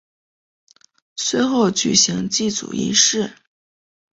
随后举行祭祖仪式。